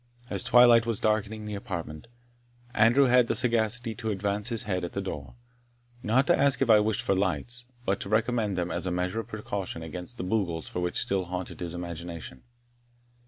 As twilight was darkening the apartment, Andrew had the sagacity to advance his head at the door, not to ask if I wished for lights, but to recommend them as a measure of precaution against the bogles which still haunted his imagination.